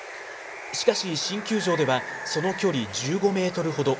しかし、新球場ではその距離１５メートルほど。